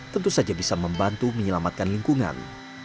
tentu saja bisa membantu menyelamatkan lingkungan